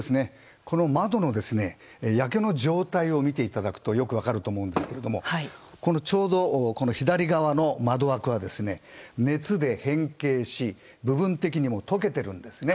窓の焼けの状態を見ていただくとよく分かると思うんですけどちょうど左側の窓枠は熱で変形し部分的にも溶けてるんですね。